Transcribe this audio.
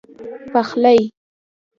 پخلی